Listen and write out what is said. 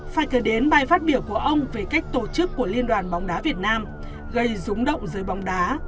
phải kể đến bài phát biểu của ông về cách tổ chức của liên đoàn bóng đá việt nam gây rúng động dưới bóng đá